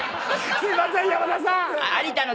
すいません山田さん！